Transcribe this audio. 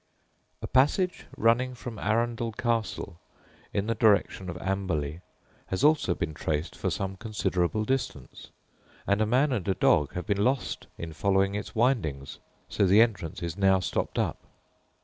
] A passage running from Arundel Castle in the direction of Amberley has also been traced for some considerable distance, and a man and a dog have been lost in following its windings, so the entrance is now stopped up.